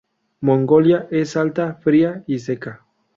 Mongolia es alta, fría y seca.